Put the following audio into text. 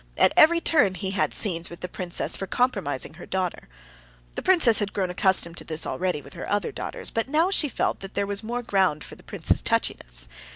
At every turn he had scenes with the princess for compromising her daughter. The princess had grown accustomed to this already with her other daughters, but now she felt that there was more ground for the prince's touchiness.